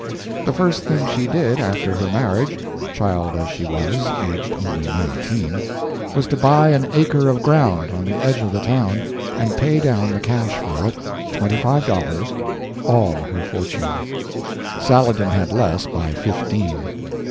The first thing she did, after her marriage child as she was, aged only nineteen was to buy an acre of ground on the edge of the town, and pay down the cash for it twenty five dollars, all her fortune. Saladin had less, by fifteen.